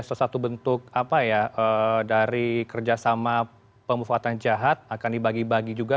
salah satu bentuk dari kerjasama pemufatan jahat akan dibagi bagi juga